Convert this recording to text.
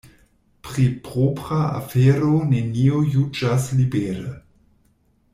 Pri propra afero neniu juĝas libere.